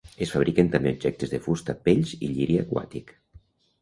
Es fabriquen també objectes de fusta, pells i lliri aquàtic.